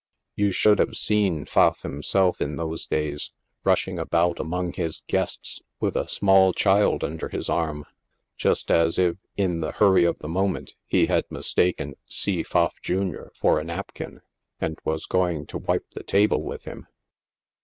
You should have seen Pfaff himself, in those days, rushing about among his guests with a small child under his arm, just as if, in the hurry of the moment, he had mistaken C. Pfaff, Jr., for a napkin, and was going to wipe the table with him.